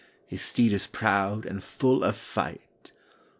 His steed is proud and full of fight.